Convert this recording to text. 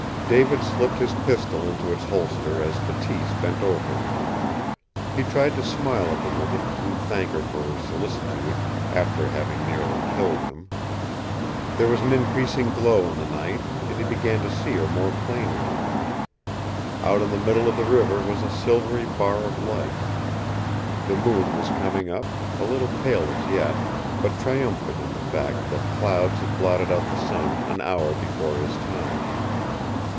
David slipped his pistol into its holster as Bateese bent over him. He tried to smile at the woman to thank her for her solicitude after having nearly killed him. There was an increasing glow in the night, and he began to see her more plainly. Out on the middle of the river was a silvery bar of light. The moon was coming up, a little pale as yet, but triumphant in the fact that clouds had blotted out the sun an hour before his time.